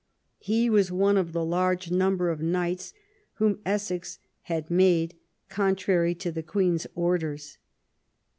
He was one of the large number of knights whom Essex had made contrary to the Queen's orders.